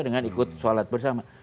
dengan ikut sholat bersama